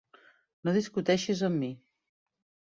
No discuteixis amb mi.